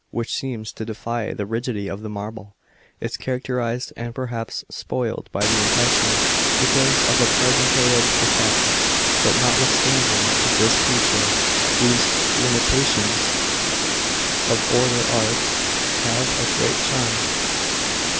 which seems to defy the rigidity of the marble," * is characterised and perhaps spoiled by the impression it gives of a premeditated effect. But notwithstanding this feature, these imitations <>t older art have a great charm.